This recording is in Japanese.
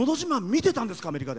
見てたんですか？